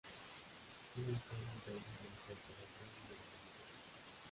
Tiene un tono intermedio entre el color crema y el blanco.